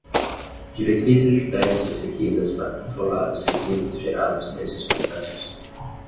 Diretrizes que devem ser seguidas para controlar os resíduos gerados nesses processos.